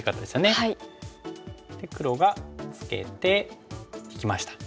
で黒がツケていきました。